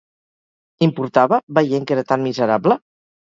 Importava, veient que era tan miserable?